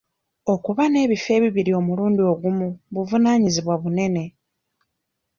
Okuba n'ebifo ebibiri omulundi gumu buvunaanyizibwa bunene.